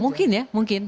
mungkin ya mungkin